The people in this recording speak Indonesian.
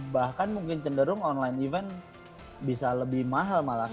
bahkan mungkin cenderung online event bisa lebih mahal malah